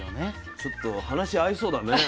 ちょっと話合いそうだね。